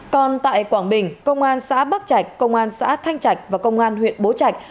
còn tại quảng bình công an xã bắc trạch công an xã thanh trạch và công an huyện bố trạch